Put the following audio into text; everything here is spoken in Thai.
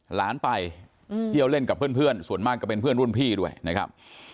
หลานไปเที่ยวเล่นกับเพื่อนส่วนมากก็เป็นเพื่อนรุ่นพี่ด้วยนะครับ